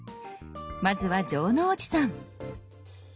まずは城之内さん。